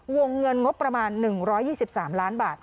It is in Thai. วงเงินงบประมาณ๑๒๓ล้านบาท